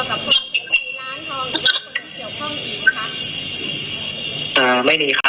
คุณส่วนตัวคุณก็คิดไหมคะ